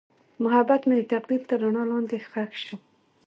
محبت مې د تقدیر تر رڼا لاندې ښخ شو.